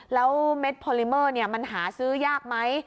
แล้วเม็ดพอลิเมอร์มันหาซื้อยากไหม